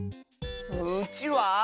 うちわ？